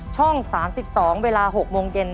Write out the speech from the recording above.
ช่อง๓๒เวลา๖โมงเย็น